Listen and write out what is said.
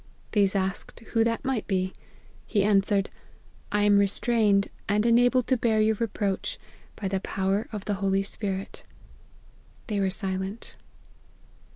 " These asked who that might be. He answer ed, * I am restrained, and enabled to bear your reproach, by the power of the Holy Spirit.' They were silent.